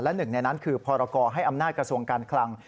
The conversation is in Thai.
และหนึ่งในนั้นคือพรกรให้อำนาจกระทรวงการคลัง